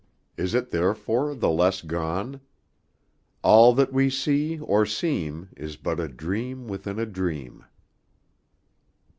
Is it therefore the less gone? All that we see or seem Is but a dream within a dream.